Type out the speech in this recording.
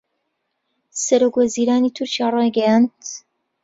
سەرۆکوەزیرانی تورکیا رایگەیاند